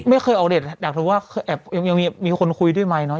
ไม่เคยออกเด็ดอยากรู้ว่าแอบยังมีคนคุยด้วยไหมเนาะ